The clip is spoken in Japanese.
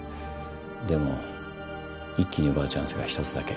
でも一気に奪うチャンスが１つだけ。